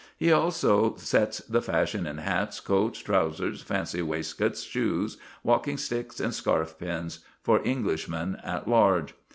He also sets the fashion in hats, coats, trousers, fancy waistcoats, shoes, walking sticks, and scarf pins for Englishmen at large.